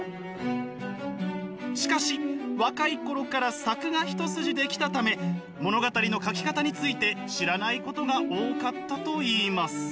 しかし若い頃から作画一筋で来たため物語の書き方について知らないことが多かったといいます。